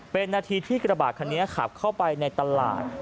เป็นนาทีที่กระบาดคันนี้ขับเข้าไปในตลาด